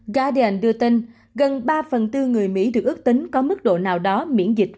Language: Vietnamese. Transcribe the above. garden đưa tin gần ba phần tư người mỹ được ước tính có mức độ nào đó miễn dịch